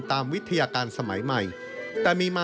ตามวิทยาการสมัยใหม่